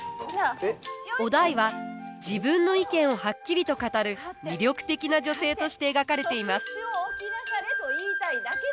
於大は自分の意見をはっきりと語る魅力的な女性として描かれています。